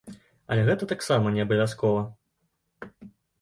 Але гэта таксама не абавязкова.